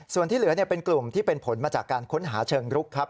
ส่วนที่เหลือเป็นกลุ่มที่เป็นผลมาจากการค้นหาเชิงรุกครับ